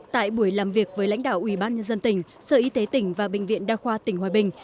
tại buổi làm việc với lãnh đạo ubnd tỉnh sở y tế tỉnh và bệnh viện đa khoa tỉnh hòa bình